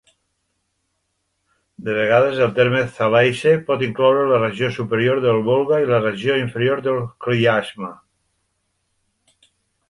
De vegades, el terme "Zalesye" pot incloure la regió superior del Volga i la regió inferior del Klyazma.